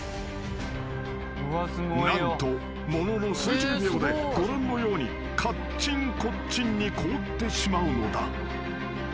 ［何とものの数十秒でご覧のようにかっちんこっちんに凍ってしまうのだ］